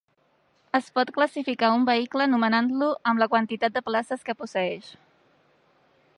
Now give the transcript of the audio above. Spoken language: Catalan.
Es pot classificar un vehicle nomenant-lo amb la quantitat de places que posseeix.